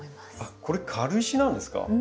あっこれ軽石なんですか？